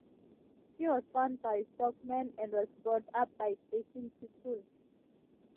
She was found by stockmen and was brought up by station people.